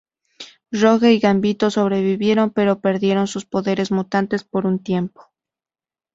Rogue y Gambito sobrevivieron, pero perdieron sus poderes mutantes por un tiempo.